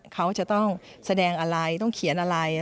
เขาจะต้องแสดงอะไรต้องเขียนอะไร